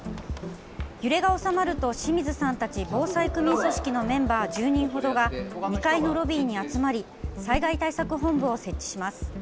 揺れが収まると、清水さんたち防災区民組織のメンバー１０人程が２階のロビーに集まり災害対策本部を設置します。